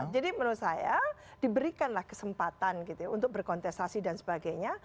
jadi menurut saya diberikanlah kesempatan gitu ya untuk berkontestasi dan sebagainya